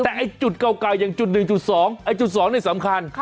แต่จุดเก่ายังจุด๑๒จุด๒นี่สำคัญ